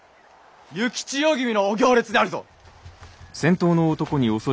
幸千代君のお行列であるぞ。